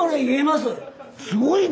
すごいな。